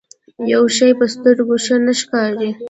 يو شی په سترګو ښه نه ښکاري.